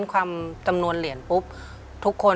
ที่ผ่านมาที่มันถูกบอกว่าเป็นกีฬาพื้นบ้านเนี่ย